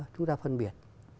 chúng ta phân biệt